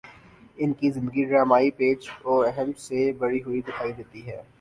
ان کی زندگی ڈرامائی پیچ و خم سے بھری ہوئی دکھائی دیتی ہے